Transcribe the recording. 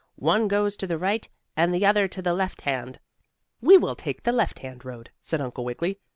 One goes to the right, the other to the left hand." "We will take the left hand road," said Uncle Wiggily.